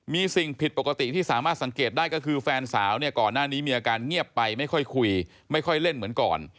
มีสิ่งผิดปกติที่สามารถสังเกตได้ก็คือแฟนสาวเนี่ยก่อนหน้านี้มีอาการเงียบไปไม่ค่อยคุยไม่ค่อยเล่นเหมือนก่อน